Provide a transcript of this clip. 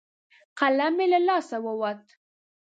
قلم مې له لاسه ووت.